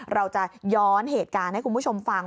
เราจะย้อนเหตุการณ์ให้คุณผู้ชมฟัง